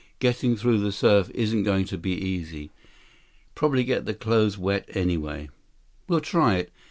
Getting through the surf isn't going to be easy. Probably get the clothes wet anyway." "We'll try it.